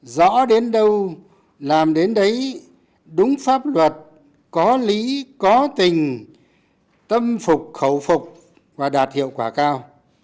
rõ đến đâu làm đến đấy đúng pháp luật có lý có tình tâm phục khẩu phục và đạt hiệu quả cao